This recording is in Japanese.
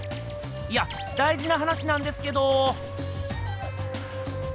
いやだいじな話なんですけど！